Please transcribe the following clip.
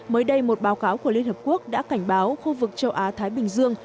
mới đây một báo cáo của liên hợp quốc đã cảnh báo khu vực châu á thái bình dương